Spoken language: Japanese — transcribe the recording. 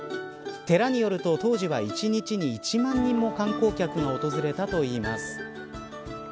寺によると当時は１日に１万人も観光客が訪れたといいます。